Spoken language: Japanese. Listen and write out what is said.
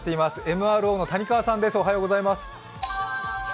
ＭＲＯの谷川さんです。